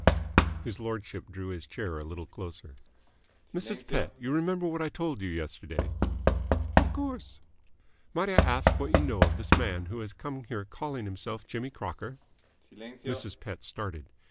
His lordship drew his chair a little closer. "Mrs. Pett, you remember what I told you yesterday?" "Of course." "Might I ask what you know of this man who has come here calling himself Jimmy Crocker?" Mrs. Pett started.